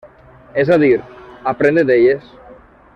És a dir, aprendre d'elles.